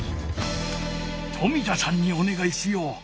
冨田さんにおねがいしよう。